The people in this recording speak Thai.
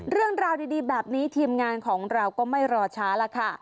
เรื่องราวดีแบบนี้ทีมงานของเราก็ไม่รอช้าล่ะค่ะ